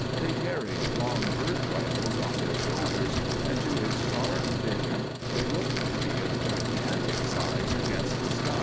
They carried long bird rifles on their shoulders, and to his starved vision they looked to be of gigantic size against the sky.